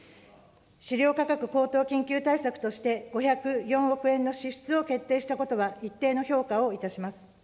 飼料価格高騰緊急対策として、５０４億円の支出を決定したことは一定の評価をいたします。